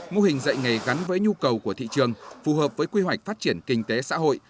mô hình dạy nghề gắn với nhu cầu của thị trường phù hợp với quy hoạch phát triển kinh tế xã hội